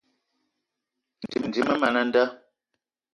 Mendim man a nda.